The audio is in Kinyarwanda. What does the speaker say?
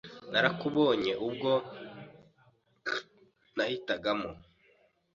Narakubonye ubwo nahitagamo